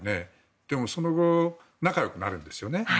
でも、その後仲良くなるんですよね。